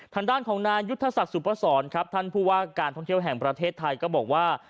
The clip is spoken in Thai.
ทางด้านของนายุทธศักดิ์สุพศรครับท่านผู้ว่าการท่องเที่ยวแห่งประเทศไทยก็บอกว่า